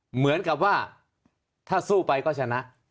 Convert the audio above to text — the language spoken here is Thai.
เหมือนกับว่าถ้าสู้ไปก็ชนะ